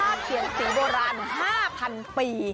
เขียนสีโบราณ๕๐๐๐ปี